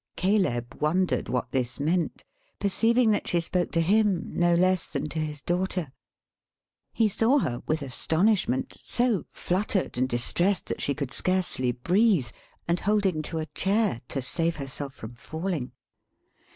Caleb wondered what this meant; perceiving that she spoke to him, no less than to his daughter. He saw her, with astonishment, so fluttered and distressed that she could scarcely breathe; and holding to a chair, to save herself from falling.